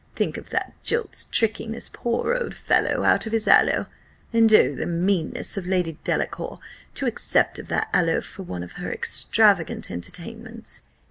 Think of that jilt's tricking this poor old fellow out of his aloe, and oh, the meanness of Lady Delacour, to accept of that aloe for one of her extravagant entertainments!"